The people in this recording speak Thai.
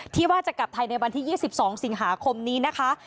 ที่จะกลับไทยในวันที่๒๒สิงหาคมนี้นะคะ